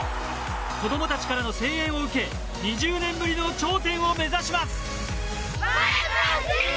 子どもたちからの声援を受け２０年ぶりの頂点を目指します。